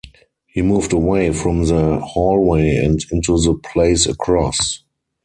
He moved away from the hallway and into the place across.